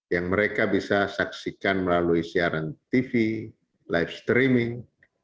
yang mereka bisa saksikan melalui siaran tv live streaming